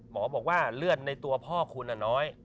หมอบอกว่าเลือดในตัวพ่อคุณน้อย